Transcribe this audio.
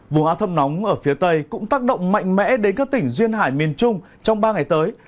vùng áo thấp nóng ở phía tây cũng tác động mạnh mẽ đến các tỉnh duyên hải miền trung trong ba ngày tới